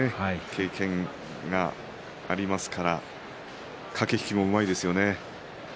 経験がありますから駆け引きもうまいですよね。